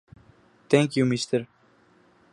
Thank You Mr.